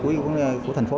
quy hoạch của thành phố